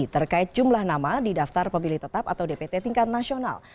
terkait jumlah nama di daftar pemilih tetap atau dpt tingkat nasional